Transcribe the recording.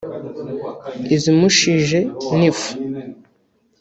izumishije n’ifu